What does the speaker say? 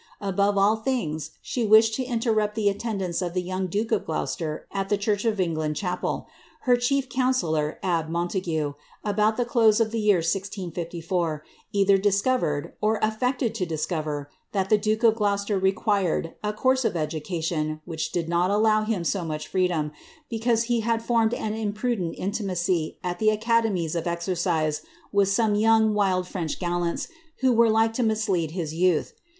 Above all things, she wished to interrupt the attendance of die young duke of Gloucester at the cliurch of England chapel. Her chief counsellor, abbe Montague, about the close of the year IG54, either dis covered, or ailected to discover, that the diikc of Gloucester required i course of education which did not allow him so much freedom^ because he had formed an imprudent intimacy at the academies of exercise with some young, wild French gallants, who were like to mislead his yoodi.